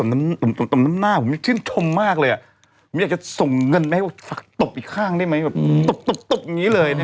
มันก็ทำให้ตบตบน้ำหน้าผมก็ชื่นชมมากเลยผมอยากจะส่งเงินไปตบอีกข้างได้ไหม